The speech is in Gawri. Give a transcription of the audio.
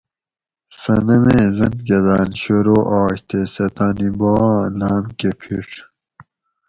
صنم ایں زنکداۤن شروع آش تے سہۤ تانی بواۤں لاۤم کہ پھیڄ